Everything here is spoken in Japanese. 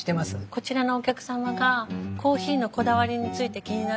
こちらのお客様がコーヒーのこだわりについて気になるって。